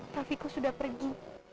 raffiku sudah pergi